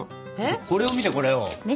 これを見てこれを。